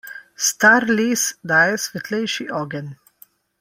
Star les daje svetlejši ogenj.